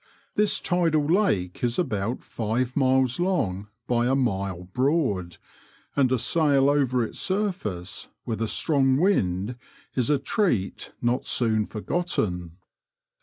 ^ This tidal lake is about five miles long by a mile broad, and a sail over its surface with a strong wind is a treat not soon forgotten.